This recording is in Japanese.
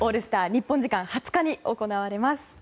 日本時間２０日に行われます。